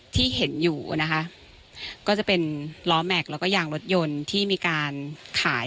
ที่เห็นอยู่นะคะก็จะเป็นล้อแม็กซ์แล้วก็ยางรถยนต์ที่มีการขาย